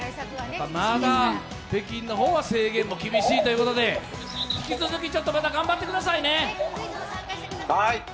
まあまあ北京の方は制限も厳しいということで、引き続き頑張ってくださいね。